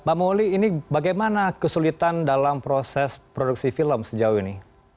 mbak moli ini bagaimana kesulitan dalam proses produksi film sejauh ini